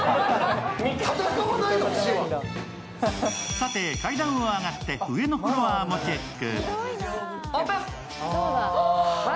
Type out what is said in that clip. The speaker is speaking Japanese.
さて、階段を上がって上のフロアもチェック。